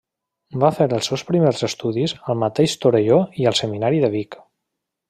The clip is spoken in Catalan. Va fer els seus primers estudis al mateix Torelló i al Seminari de Vic.